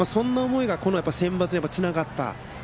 そんな思いがセンバツにつながった。